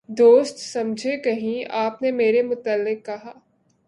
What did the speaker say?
دوست سمجھے کہیں آپ نے میرے متعلق کہا